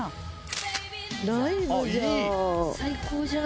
ライブじゃん。